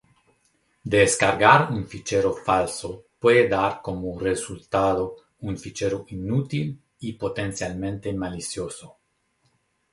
Descargar un fichero falso puede dar como resultado un fichero inútil y potencialmente malicioso.